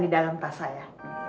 di dalam tas saya